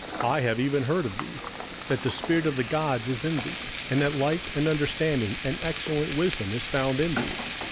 27:005:014 I have even heard of thee, that the spirit of the gods is in thee, and that light and understanding and excellent wisdom is found in thee.